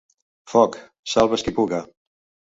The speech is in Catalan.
«Foc, salve’s qui puga!».